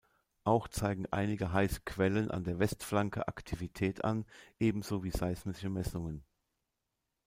Auch zeigen einige heiße Quellen an der Westflanke Aktivität an, ebenso wie seismische Messungen.